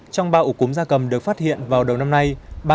trong ba ổ cúng gia cầm được phát hiện vào đầu năm nay